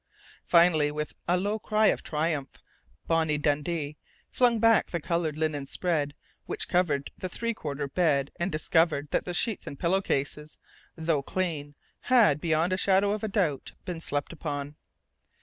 Finally, with a low cry of triumph, Bonnie Dundee flung back the colored linen spread which covered the three quarter bed and discovered that the sheets and pillow cases, though clean, had, beyond the shadow of a doubt, been slept upon.